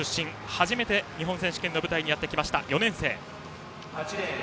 初めての日本選手権の舞台にやってきました、４年生。